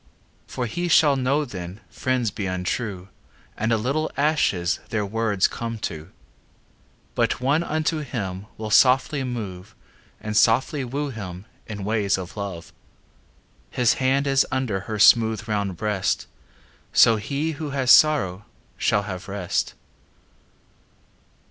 For he shall know then Friends be untrue And a little ashes Their words come to. But one unto him Will softly move And softly woo him In ways of love. His hand is under Her smooth round breast; So he who has sorrow Shall have rest.